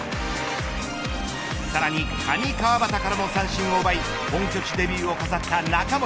さらに上川畑からも三振を奪い本拠地デビューを飾った中森。